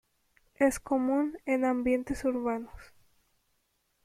Es común en ambientes urbanos.